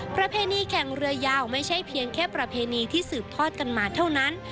ประเพณีแข่งเรือยาวไม่ใช่เพียงแค่ประเพณีที่สืบทอดกันมาเท่านั้น